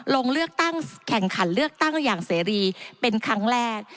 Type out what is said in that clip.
ลงเลือกตั้งแข่งขันเลือกตั้งอย่างเสรีเป็นครั้งแรก